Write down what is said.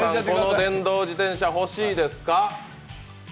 この電動自転車欲しいですか？